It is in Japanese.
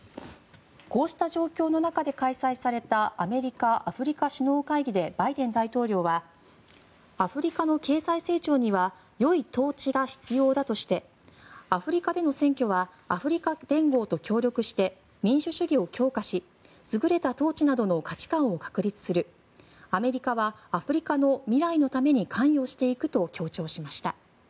こうした状況の中で開催されたアメリカ・アフリカ首脳会議でバイデン大統領はアフリカの経済成長にはよい統治が必要だとしてアフリカでの選挙はアフリカ連合と協力して民主主義を強化し優れた統治などの価値観を確立するアメリカはアフリカの未来のために関与していくと強調しました。